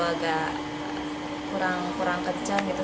agak kurang kecil gitu